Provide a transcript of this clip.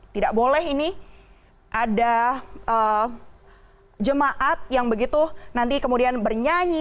tidak boleh ini ada jemaat yang begitu nanti kemudian bernyanyi